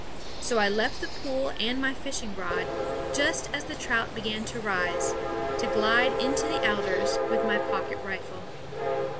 So I left the pool and my fishing rod, just as the trout began to rise, to glide into the alders with my pocket rifle.